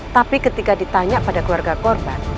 tapi ketika ditanya pada keluarga korban